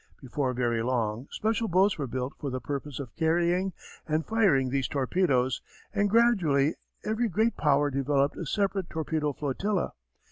Before very long, special boats were built for the purpose of carrying and firing these torpedoes and gradually every great power developed a separate torpedo flotilla.